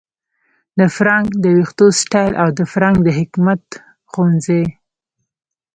د فرانک د ویښتو سټایل او د فرانک د حکمت ښوونځي